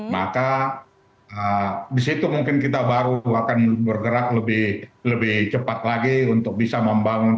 maka disitu mungkin kita baru akan bergerak lebih cepat lagi untuk bisa membangun